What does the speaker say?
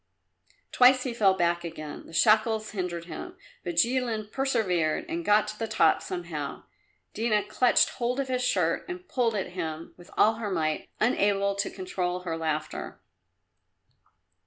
Twice he fell back again; the shackles hindered him. But Jilin persevered and got to the top somehow. Dina clutched hold of his shirt and pulled at him with all her might, unable to control her laughter.